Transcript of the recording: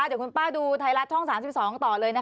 เดี๋ยวคุณป้าดูไทยรัฐช่อง๓๒ต่อเลยนะคะ